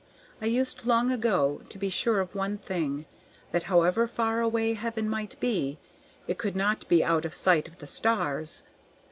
I used long ago to be sure of one thing, that, however far away heaven might be, it could not be out of sight of the stars.